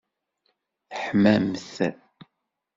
Teḥmamt!